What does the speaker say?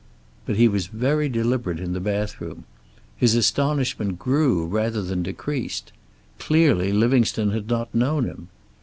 But he was very deliberate in the bathroom. His astonishment grew, rather than decreased. Clearly Livingstone had not known him.